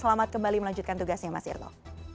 selamat kembali melanjutkan tugasnya mas irto